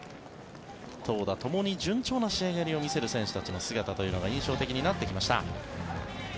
投打ともに順調な仕上がりを見せる選手たちの姿というのが印象的になってきました。